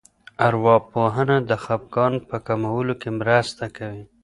ارواپوهنه د خپګان په کمولو کې مرسته کوي.